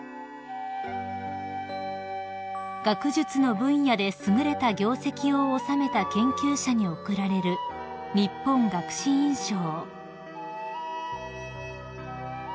［学術の分野で優れた業績を収めた研究者に贈られる日本学士院賞］